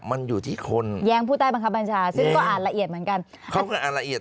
มันอยู่ที่คนแย้งผู้ใต้บังคับบัญชาซึ่งก็อ่านละเอียดเหมือนกันเขาก็อ่านละเอียด